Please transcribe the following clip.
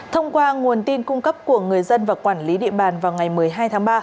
thông qua nguồn tin cung cấp của người dân và quản lý địa bàn vào ngày một mươi hai tháng ba